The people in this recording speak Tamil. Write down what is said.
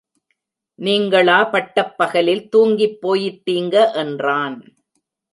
நீங்களா பட்டப்பகலில் தூங்கிப் போயிட்டீங்க என்றான்.